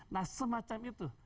nah semacam itu